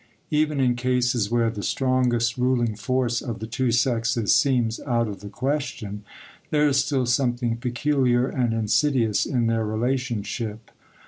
Even in cases where the strongest ruling force of the two sexes seems out of the question, there is still something peculiar and insidious in their relationship.